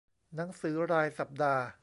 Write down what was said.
หนังสือรายสัปดาห์